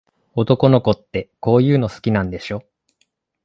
男の子って、こういうの好きなんでしょ。